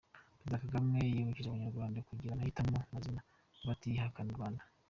Perezida Kagame yibukije Abanyarwanda kugira amahitamo mazima batihakana u Rwanda.